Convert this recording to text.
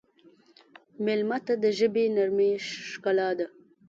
مېلمه ته د ژبې نرمي ښکلا ده.